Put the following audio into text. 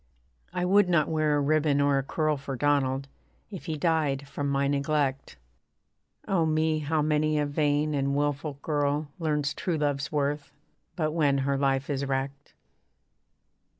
I would not wear a ribbon or a curl For Donald, if he died from my neglect Oh me! how many a vain and wilful girl Learns true love's worth, but when her life is wrecked.